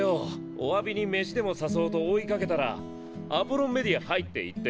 お詫びに飯でも誘おうと追いかけたらアポロンメディア入っていってよぉ。